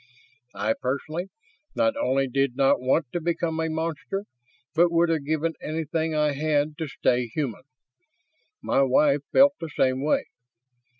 I, personally, not only did not want to become a monster, but would have given everything I had to stay human. My wife felt the same way.